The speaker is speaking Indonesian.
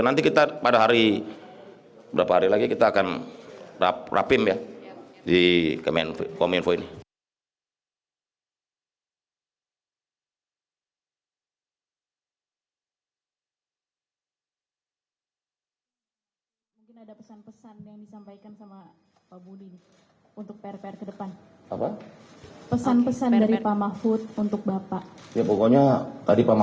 nanti kita pada hari beberapa hari lagi kita akan dapat